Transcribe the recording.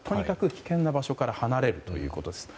危険な場所から離れるということです。